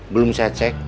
belum saya cek